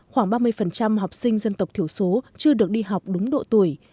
khoảng ba mươi học sinh dân tộc thiểu số chưa được đi học đúng độ tuổi